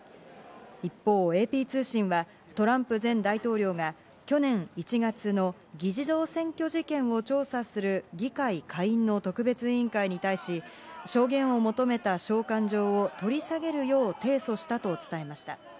一方、ＡＰ通信はトランプ前大統領が去年１月の議事堂占拠事件を調査する議会下院の特別委員会に対し、証言を求めた召喚状を取り下げるよう提訴したと伝えました。